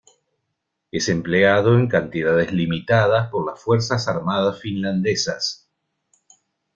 Es empleado en cantidades limitadas por las Fuerzas Armadas Finlandesas.